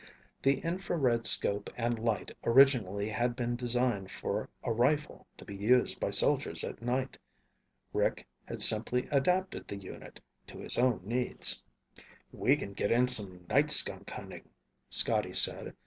The infrared 'scope and light originally had been designed for a rifle to be used by soldiers at night. Rick had simply adapted the unit to his own needs. "We can get in some night skunk hunting," Scotty said.